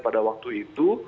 pada waktu itu